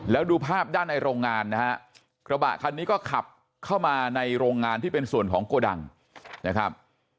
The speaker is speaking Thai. แล้วดูภาพด้านในโรงงานนะฮะกระบะคันนี้ก็ขับเข้ามาในโรงงานที่เป็นส่วนของโกดังนะครับ